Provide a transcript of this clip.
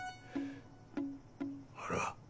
あら。